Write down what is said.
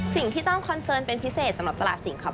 สิ่งที่ต้องคอนเซิร์นเป็นพิเศษสำหรับตลอดสิงคโปร์นะคะ